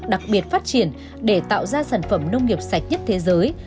đặc biệt phát triển để tạo ra sản phẩm nông nghiệp sạch nhất thế giới